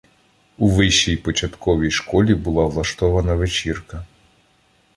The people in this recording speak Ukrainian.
У вищій початковій школі була влаштована вечірка.